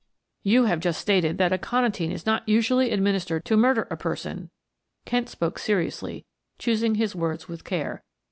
"You have just stated that aconitine is not usually administered to murder a person," Kent spoke seriously, choosing his words with care.